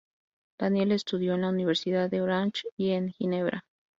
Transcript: Daniel estudió en la Universidad de Orange y en Ginebra.